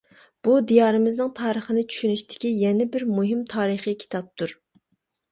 بۇ دىيارىمىزنىڭ تارىخىنى چۈشىنىشتىكى يەنە بىر مۇھىم تارىخى كىتابتۇر.